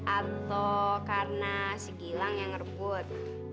atau karena si gilang yang ngerebut